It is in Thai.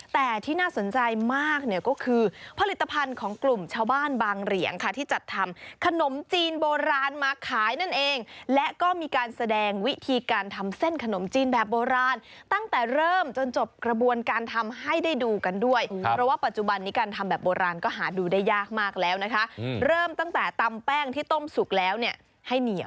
แต่ที่น่าสนใจมากเนี่ยก็คือผลิตภัณฑ์ของกลุ่มชาวบ้านบางเหรียงค่ะที่จัดทำขนมจีนโบราณมาขายนั่นเองและก็มีการแสดงวิธีการทำเส้นขนมจีนแบบโบราณตั้งแต่เริ่มจนจบกระบวนการทำให้ได้ดูกันด้วยเพราะว่าปัจจุบันนี้การทำแบบโบราณก็หาดูได้ยากมากแล้วนะคะเริ่มตั้งแต่ตำแป้งที่ต้มสุกแล้วเนี่ยให้เหนียว